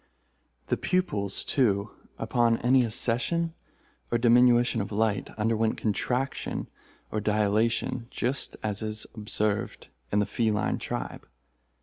The pupils, too, upon any accession or diminution of light, underwent contraction or dilation, just such as is observed in the feline tribe.